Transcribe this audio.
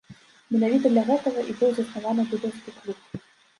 Менавіта для гэтага і быў заснаваны дударскі клуб.